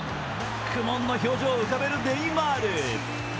苦悶の表情を浮かべるネイマール。